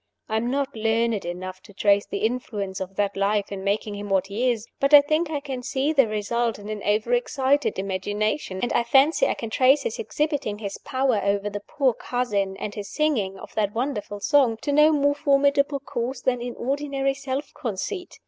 I am not learned enough to trace the influence of that life in making him what he is; but I think I can see the result in an over excited imagination, and I fancy I can trace his exhibiting his power over the poor cousin and his singing of that wonderful song to no more formidable cause than inordinate self conceit.